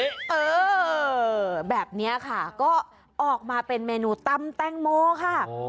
เออแบบนี้ค่ะก็ออกมาเป็นเมนูตำแตงโมค่ะ